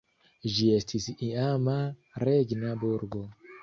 Ĝi estis iama regna burgo.